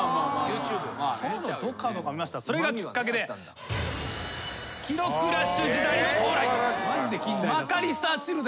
それがきっかけで記録ラッシュ時代の到来。